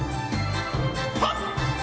はっ！